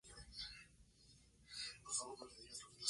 Combina acción de desplazamiento horizontal con puzles.